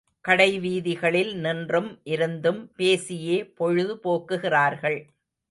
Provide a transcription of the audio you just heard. கடை வீதிகளில் நின்றும் இருந்தும் பேசியே பொழுது போக்குகிறார்கள்.